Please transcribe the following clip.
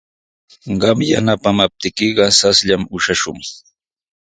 Qam yanapaamaptiykiqa raslla ushashun.